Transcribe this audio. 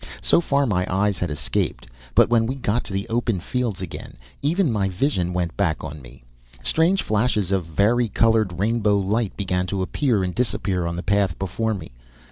So far my eyes had escaped; but, when we got to the open fields again, even my vision went back on me. Strange flashes of vari colored, rainbow light began to appear and disappear on the path before me.